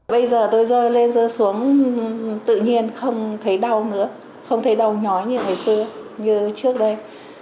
bây giờ tôi rơi lên rơi xuống tự nhiên không thấy đau nữa không thấy đau nhói như ngày xưa như trước đây